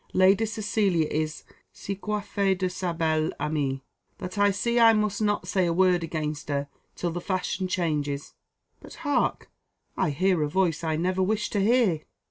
"Lady Cecilia is si coiffée de sa belle amie, that I see I must not say a word against her, till the fashion changes. But, hark! I hear a voice I never wish to hear."